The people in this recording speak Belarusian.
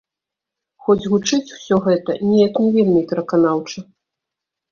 Хоць гучыць усё гэта неяк не вельмі пераканаўча.